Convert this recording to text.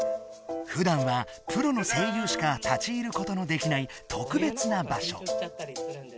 ふだんはプロの声優しか立ち入ることのできないとくべつなばしょ。